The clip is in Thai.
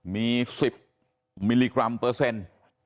มี๑๐มิลลิกรัมเปอร์เซ็นต์